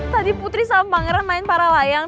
tadi putri sama pangeran main para layang